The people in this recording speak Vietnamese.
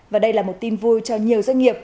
và đây là một tin vui cho nhiều doanh nghiệp